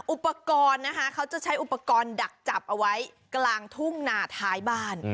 อุปกรณ์นะคะเขาจะใช้อุปกรณ์ดักจับเอาไว้กลางทุ่งนาท้ายบ้าน